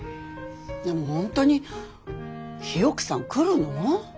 でも本当に日置さん来るの？